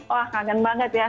wah kaget banget ya